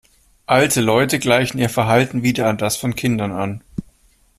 Alte Leute gleichen ihr Verhalten wieder an das von Kindern an.